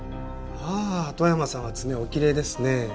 ああ外山さんは爪おきれいですね。